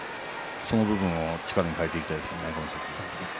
その部分を力に変えていってほしいです。